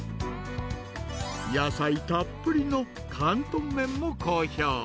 野菜たっぷりの広東麺も好評。